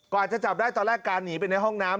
กว่าจะจับได้ตอนแรกการหนีไปในห้องน้ำ